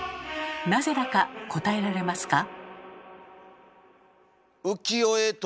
なぜだか答えられますか？